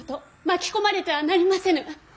巻き込まれてはなりませぬ。